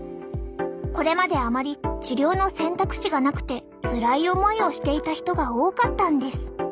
これまであまり治療の選択肢がなくてつらい思いをしていた人が多かったんです。